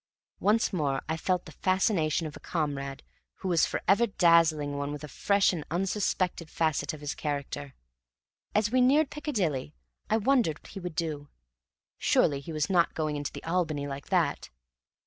Once more I felt the fascination of a comrade who was forever dazzling one with a fresh and unsuspected facet of his character. As we neared Piccadilly I wondered what he would do. Surely he was not going into the Albany like that?